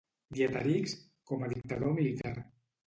Dieterichs, com a dictador militar.